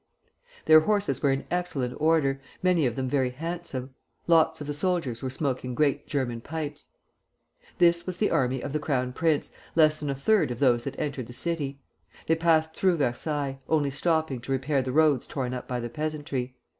Their horses were in excellent order, many of them very handsome. Lots of the soldiers were smoking great German pipes. "This was the army of the Crown Prince, less than a third of those that entered the city. They passed through Versailles, only stopping to repair the roads torn up by the peasantry.